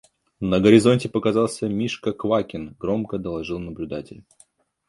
– На горизонте показался Мишка Квакин! – громко доложил наблюдатель.